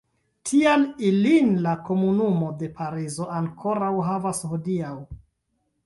Tial ilin la komunumo de Parizo ankoraŭ havas hodiaŭ.